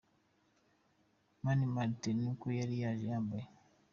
Mani Martin ni uko yari yaje yambaye.